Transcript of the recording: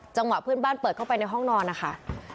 เพื่อนบ้านเปิดเข้าไปในห้องนอนนะคะ